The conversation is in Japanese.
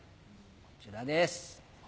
こちらです。